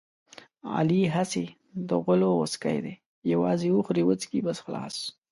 علي هسې د غولو غوڅکی دی یووازې وخوري وچکي بس خلاص.